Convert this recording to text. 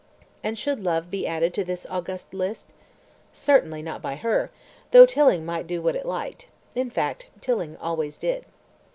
And should love be added to this august list? Certainly not by her, though Tilling might do what it liked. In fact Tilling always did.